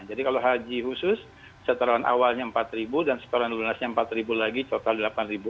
jadi kalau haji khusus setoran awalnya empat ribu dan setoran lunasnya empat ribu lagi total delapan ribu